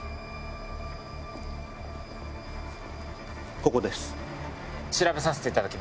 ここです。